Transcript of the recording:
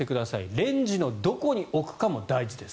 レンジのどこに置くかも大事です。